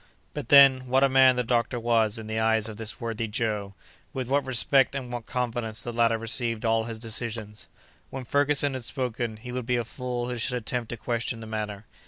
But then, what a man the doctor was in the eyes of this worthy Joe! With what respect and what confidence the latter received all his decisions! When Ferguson had spoken, he would be a fool who should attempt to question the matter.